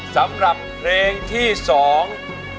สำหรับเพลงที่สอง